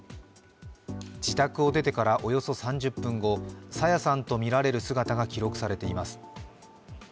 自宅を出てからおよそ３０分後、朝芽さんとみられる姿が記録されています。